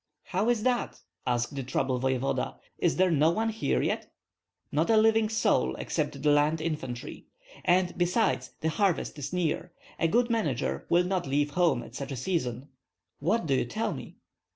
"How is that?" asked the troubled voevoda; "is there no one here yet?" "Not a living soul, except the land infantry. And, besides, the harvest is near. A good manager will not leave home at such a season." "What do you tell me?"